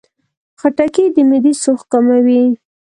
خټکی د معدې سوخت کموي.